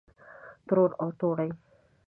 ترور او توړۍ